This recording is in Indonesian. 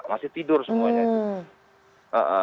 masih tidur semuanya